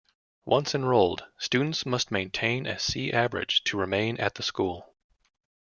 Once enrolled, students must maintain a C average to remain at the school.